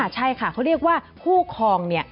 ใช่ค่ะเขาเรียกว่าคู่คลองเนี่ย